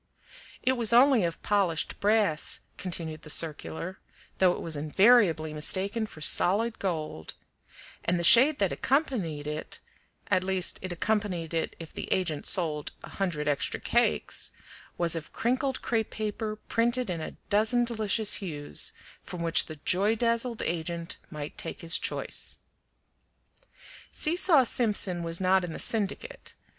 It was only of polished brass, continued the circular, though it was invariably mistaken for solid gold, and the shade that accompanied it (at least it accompanied it if the agent sold a hundred extra cakes) was of crinkled crepe paper printed in a dozen delicious hues, from which the joy dazzled agent might take his choice. Seesaw Simpson was not in the syndicate.